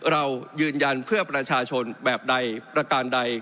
เรายืนยันเพื่อประชาชนแบบใดประการใด